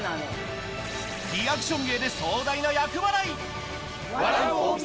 リアクション芸で壮大な厄払い笑う大晦日！